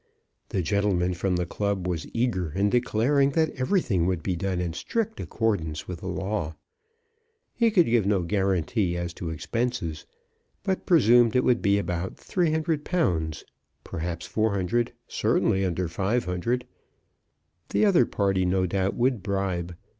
The gentleman from the club was eager in declaring that everything would be done in strict accordance with the law. He could give no guarantee as to expenses, but presumed it would be about £300, perhaps £400, certainly under £500. The other party no doubt would bribe.